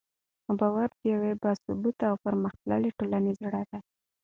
باور د یوې باثباته او پرمختللې ټولنې زړه دی.